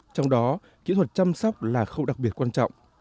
trong đó kỹ thuật chăm sóc là khâu đặc biệt quan trọng